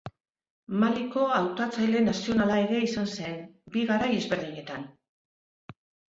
Maliko hautatzaile nazionala ere izan zen, bi garai ezberdinetan.